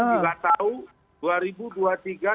kalau tidak ada penundaan